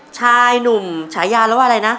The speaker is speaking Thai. ชายหนุ่มฉายาแล้วว่าอะไรนะ